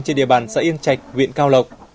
trên địa bàn xã yên chạch huyện cao lộc